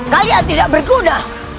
kalian tidak berguna